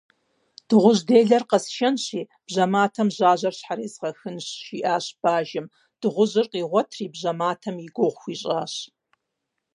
«Дыгъужь делэр къэсшэнщи, бжьэматэм жьажьэр щхьэрезгъэхынщ», жиӏащ бажэм, дыгъужьыр къигъуэтри, бжьэматэм и гугъу хуищӏащ.